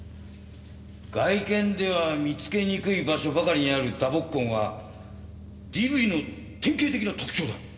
外見では見つけにくい場所ばかりにある打撲痕はＤＶの典型的な特徴だ。